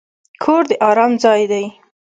کور د ارام ځای دی.